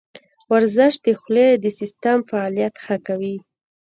ورزش د خولې د سیستم فعالیت ښه کوي.